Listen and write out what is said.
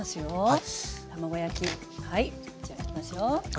卵焼きはいじゃあいきますよ。